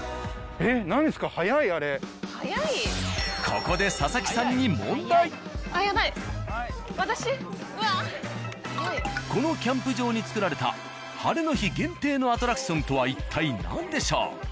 ここで佐々木さんにこのキャンプ場に作られた晴れの日限定のアトラクションとは一体何でしょう？